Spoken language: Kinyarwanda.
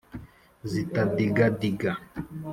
zitadigadiga.